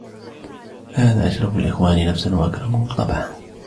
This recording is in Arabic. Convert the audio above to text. فَهَذَا أَشْرَفُ الْإِخْوَانِ نَفْسًا وَأَكْرَمُهُمْ طَبْعًا